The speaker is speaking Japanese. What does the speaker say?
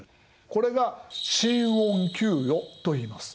これが新恩給与といいます。